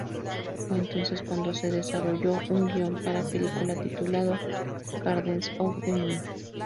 Fue entonces cuando se desarrolló un guion para película titulado "Gardens of the Moon".